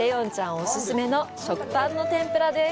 オススメの食パンの天ぷらです！